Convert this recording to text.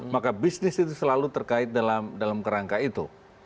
maka bisnis itu selalu terkait dalam kerangka itu